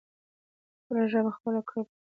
خپله ژبه خپله کړې پښتو ده.